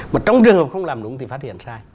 mà trong trường hợp không làm đúng thì phát hiện sai